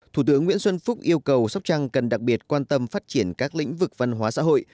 thủ tướng nguyễn xuân phúc yêu cầu sóc trăng cần đặc biệt quan tâm phát triển các lĩnh vực văn hóa xã hội